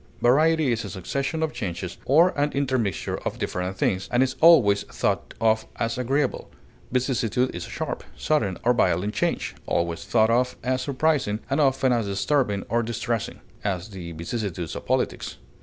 Variety is a succession of changes or an intermixture of different things, and is always thought of as agreeable. Vicissitude is sharp, sudden, or violent change, always thought of as surprising and often as disturbing or distressing; as, the vicissitudes of politics.